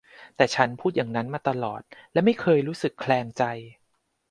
แต่ฉันพูดอย่างนั้นมาตลอดและไม่เคยรู้สึกแคลงใจ